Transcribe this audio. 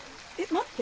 待って。